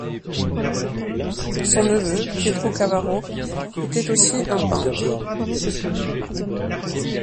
Son neveu Pietro Cavaro était aussi un peintre.